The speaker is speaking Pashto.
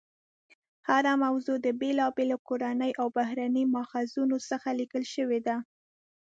هره موضوع د بېلابېلو کورنیو او بهرنیو ماخذونو څخه لیکل شوې ده.